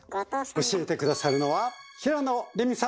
教えて下さるのは平野レミさんです。